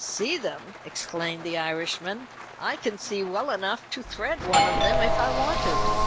"See them!" exclaimed the Irishman. "I can see well enough to thread one of them if I wanted."